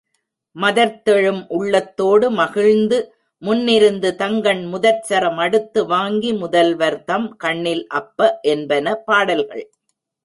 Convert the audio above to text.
மதர்த்தெழும் உள்ளத்தோடு மகிழ்ந்து முன்னிருந்து தங்கண் முதற்சரம் அடுத்து வாங்கி முதல்வர்தம் கண்ணில் அப்ப, என்பன பாடல்கள்.